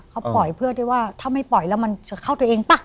เขาปล่อยเพื่อได้ว่าถ้าไม่ปล่อยแล้วมันจะเข้าตัวเองป่ะ